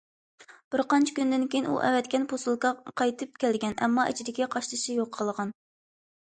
بىر قانچە كۈندىن كېيىن ئۇ ئەۋەتكەن پوسۇلكا قايتىپ كەلگەن، ئەمما ئىچىدىكى قاشتېشى يوقالغان.